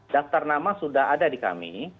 daftar nama sudah ada di kami